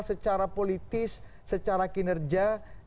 secara politis secara kinerja